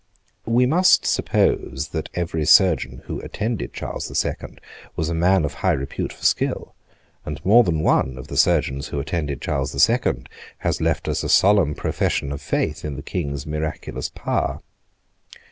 We must suppose that every surgeon who attended Charles the Second was a man of high repute for skill; and more than one of the surgeons who attended Charles the Second has left us a solemn profession of faith in the King's miraculous power.